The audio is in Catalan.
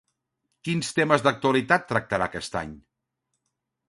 Quins temes d'actualitat tractarà aquest any?